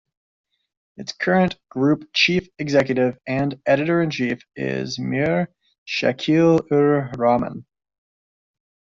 Its current Group Chief Executive and Editor-in-Chief is Mir Shakil-ur-Rahman.